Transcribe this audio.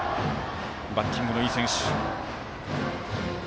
バッティングのいい選手。